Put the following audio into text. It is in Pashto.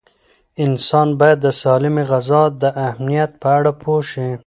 انسان باید د سالمې غذا د اهمیت په اړه پوه شي.